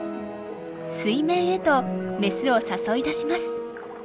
水面へとメスを誘い出します。